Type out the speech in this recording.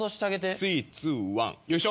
３２１よいしょ。